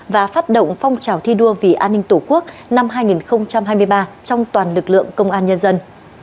và phát động phong trào thi đua vì an ninh tổ quốc năm hai nghìn hai mươi ba trong toàn lực lượng công an nhân dân